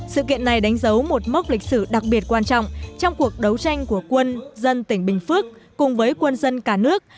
sự kiện này đánh dấu một mốc lịch sử đặc biệt quan trọng trong cuộc đấu tranh của quân dân tỉnh bình phước cùng với quân dân cả nước